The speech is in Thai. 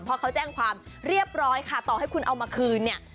เพราะเขาแจ้งความเรียบร้อยค่ะต่อให้คุณเอามาคืนเนี่ย